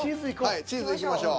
はいチーズいきましょう。